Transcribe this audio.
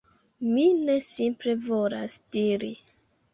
Mi ne simple volas diri: